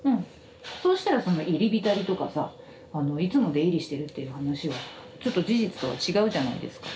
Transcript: そうしたらその入り浸りとかさあのいつも出入りしてるっていう話はちょっと事実とは違うじゃないですか。